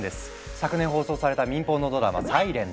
昨年放送された民放のドラマ「ｓｉｌｅｎｔ」。